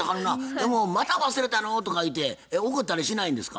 でも「また忘れたの？」とか言うて怒ったりしないんですか？